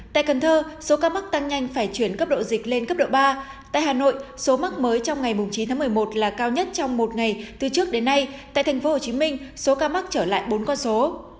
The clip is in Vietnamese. tại cần thơ số ca mắc tăng nhanh phải chuyển cấp độ dịch lên cấp độ ba tại hà nội số mắc mới trong ngày chín tháng một mươi một là cao nhất trong một ngày từ trước đến nay tại tp hcm số ca mắc trở lại bốn con số